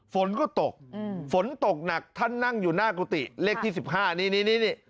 ฝนก็ตกอืมฝนตกหนักท่านนั่งอยู่หน้ากุฏิเลขที่สิบห้านี่นี่นี่นี่